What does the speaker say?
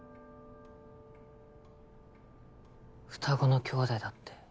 双子の兄弟だって。